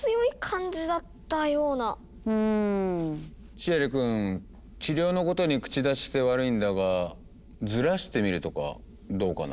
シエリくん治療のことに口出しして悪いんだがずらしてみるとかどうかな？